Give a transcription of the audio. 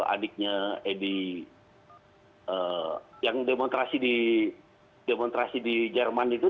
adiknya edy yang demonstrasi di jerman itu